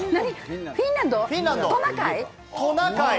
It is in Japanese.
フィンランド、トナカイ？